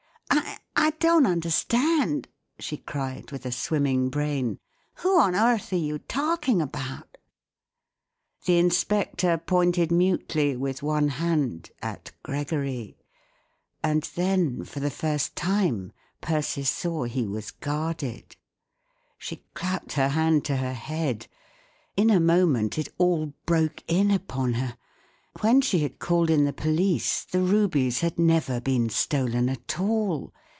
" I—I don't understand," she cried, with a swim¬ ming brain. "Who on earth are you talking about ?" The inspector pointed mutely with one hand at Gregory ; and then for the first time Persis saw he was guarded. She clapped her hand to her head* In a moment it all broke in upon her. When she had called in the police, the rubies had never been stolen at all.